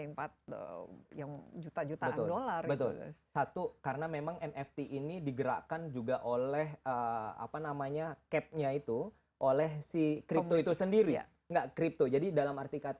yang empat yang juta jutaan dollar betul satu karena memang nfc ini digerakkan juga oleh apa namanya